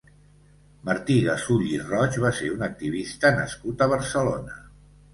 Martí Gasull i Roig va ser un activista nascut a Barcelona.